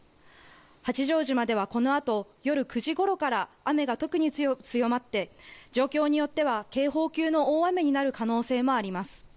八丈島ではこのあと夜９時ごろから雨が特に強まって状況によっては警報級の大雨になる可能性もあります。